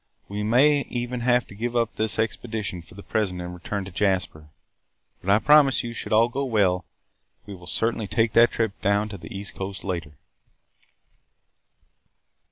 We may even have to give up this expedition for the present and return to Jasper. But, I promise you, should all go well, we will certainly take that trip down the east coast later."